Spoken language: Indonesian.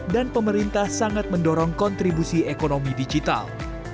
dan pemerintah sangat mendorong kontribusi ekonomi digital